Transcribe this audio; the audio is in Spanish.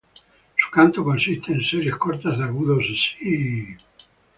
Su canto consiste en series cortas de agudos "sii".